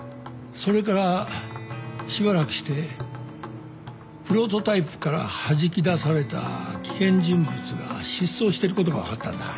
それからしばらくしてプロトタイプからはじき出された危険人物が失踪してることが分かったんだ。